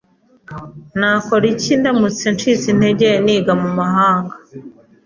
Nakora iki ndamutse ncitse intege niga mu mahanga?